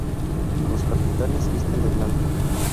Los capitanes visten de blanco.